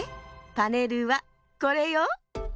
パネルはこれよ。